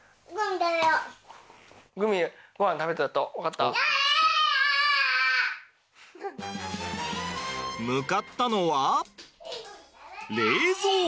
向かったのは冷蔵庫。